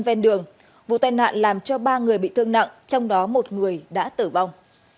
ven đường vụ tai nạn làm cho ba người bị thương nặng trong đó một người đã tử vong